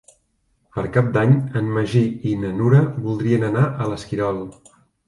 Per Cap d'Any en Magí i na Nura voldrien anar a l'Esquirol.